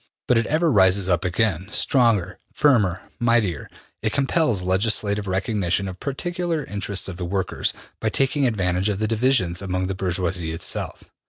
But it ever rises up again, stronger, firmer, mightier. It compels legislative recognition of particular interests of the workers, by taking advantage of the divisions among the bourgeoisie itself.''